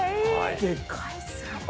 でかいっすね。